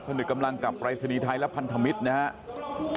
นึกกำลังกับปรายศนีย์ไทยและพันธมิตรนะครับ